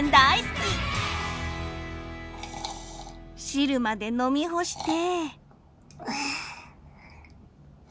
汁まで飲み干して。